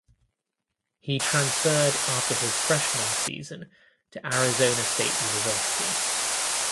He transferred after his freshman season to Arizona State University.